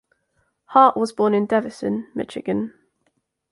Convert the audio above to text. Hart was born in Davison, Michigan.